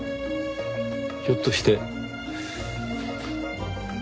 ひょっとして。